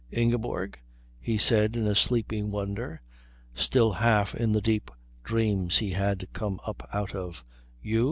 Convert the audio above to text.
"Ingeborg?" he said in a sleepy wonder, still half in the deep dreams he had come up out of, "You?